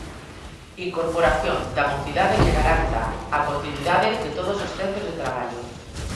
Incorporación da mocidade que garanta a continuidade de todos os centros de traballo.